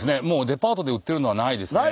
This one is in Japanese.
デパートで売ってるのはないですね。